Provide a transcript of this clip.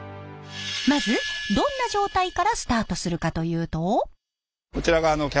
まずどんな状態からスタートするかというと。